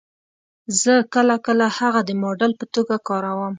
زه کله کله هغه د ماډل په توګه کاروم